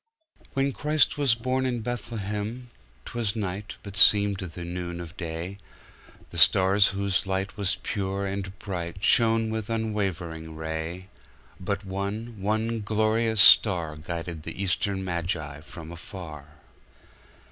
When Christ was born in Bethlehem,'T was night, but seemed the noon of day; The stars, whose light Was pure and bright, Shone with unwavering ray; But one, one glorious starGuided the Eastern Magi from afar.